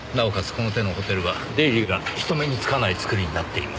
この手のホテルは出入りが人目につかない造りになっています。